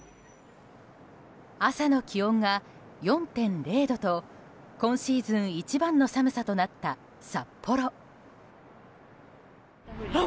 朝の気温が４．０度と今シーズン一番の寒さとなった札幌。